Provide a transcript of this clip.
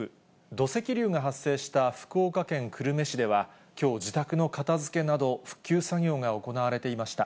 土石流が発生した福岡県久留米市では、きょう、自宅の片付けなど、復旧作業が行われていました。